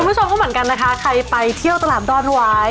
คุณผู้ชมก็เหมือนกันนะคะใครไปเที่ยวตลาดดอนวาย